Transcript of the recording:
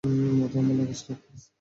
মধু, আমার লাগেজটাও প্লীজ।